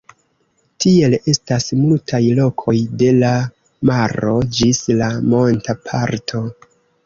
Tiel, estas multaj lokoj de la maro ĝis la monta parto.